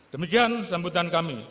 demikian sambutan kami